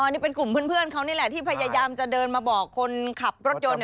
นี่เป็นกลุ่มเพื่อนเขานี่แหละที่พยายามจะเดินมาบอกคนขับรถยนต์